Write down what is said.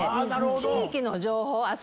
地域の情報って。